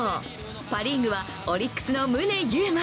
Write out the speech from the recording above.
パ・リーグはオリックスの宗佑磨。